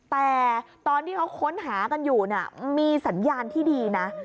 แต่ตอนที่เขาค้นหากันอยู่เนี่ยมีสัญญาณที่ดีนะ